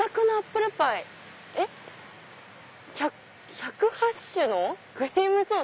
「１０８種のクリームソーダ」？